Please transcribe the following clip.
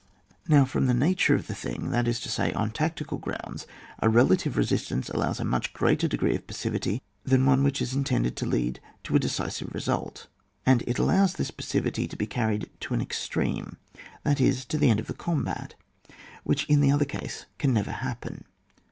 Now fr^m the nature of the thing, that is to say, on tactical grounds, a relative resistance allows of a much greater degree of passivity than one which is intended to lead to a decisive result, and it allows this passivity to be carried to an extreme, that is, to the end of the combat, which in the other case can never happen.